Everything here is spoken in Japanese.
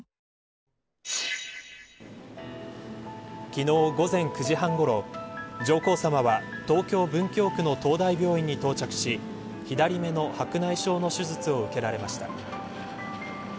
昨日午前９時半ごろ上皇さまは、東京、文京区の東大病院に到着し左目の白内障の手術を受けられました。